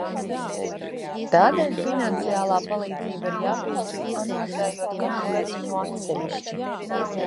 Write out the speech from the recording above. Tādēļ finansiālā palīdzība ir jāpiešķir, analizējot katru gadījumu atsevišķi.